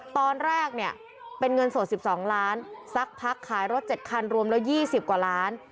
ตอนแรกเนี่ยเป็นเงินสด๑๒ล้านสักพักขายรถ๗คันรวมแล้ว๒๐กว่าล้าน